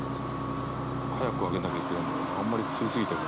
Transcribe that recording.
早く揚げなきゃいけないからあんまり釣りすぎても。